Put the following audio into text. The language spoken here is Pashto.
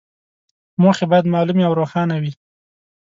موخې باید معلومې او روښانه وي.